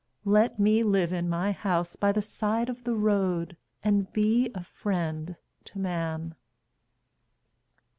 Let me live in my house by the side of the road And be a friend to man.